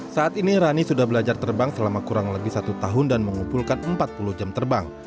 saat ini rani sudah belajar terbang selama kurang lebih satu tahun dan mengumpulkan empat puluh jam terbang